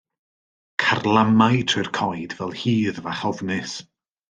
Carlamai trwy'r coed fel hydd fach ofnus.